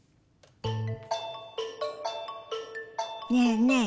ねえねえ